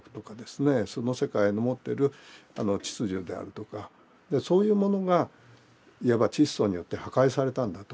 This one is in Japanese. その世界の持ってる秩序であるとかそういうものがいわばチッソによって破壊されたんだと。